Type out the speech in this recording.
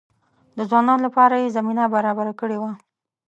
د ځوانانو لپاره یې زمینه برابره کړې وه.